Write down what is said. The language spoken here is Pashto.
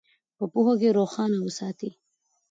په پوهه یې روښانه وساتئ.